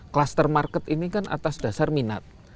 kluster market ini kan atas dasar minat